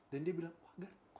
dan dia bilang oh enggak